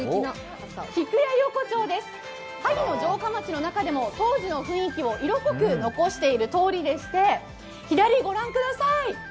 菊屋横町です、萩の城下町の中でも当時の雰囲気を色濃く残している通りでして、左、ご覧ください。